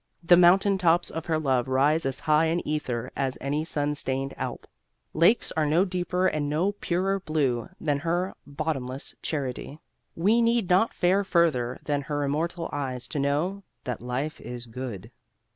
The mountain tops of her love rise as high in ether as any sun stained alp. Lakes are no deeper and no purer blue than her bottomless charity. We need not fare further than her immortal eyes to know that life is good.